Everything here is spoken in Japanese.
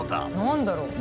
何だろう？